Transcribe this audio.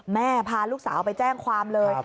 พาลูกสาวไปแจ้งความเลย